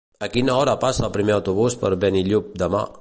A quina hora passa el primer autobús per Benillup demà?